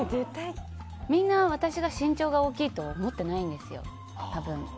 みんな私が身長が大きいと思っていないんですよ。